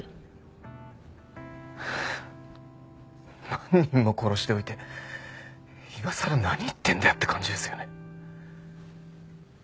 何人も殺しておいて今さら何言ってんだよって感じですよね。